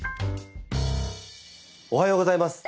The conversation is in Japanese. おはようございます。